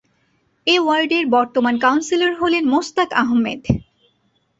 এ ওয়ার্ডের বর্তমান কাউন্সিলর হলেন মোস্তাক আহমেদ।